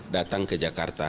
datang ke jakarta